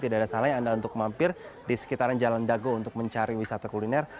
tidak ada salahnya anda untuk mampir di sekitaran jalan dago untuk mencari wisata kuliner